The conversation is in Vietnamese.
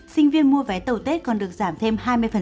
sinh viên mua vé tàu tết còn được giảm thêm hai mươi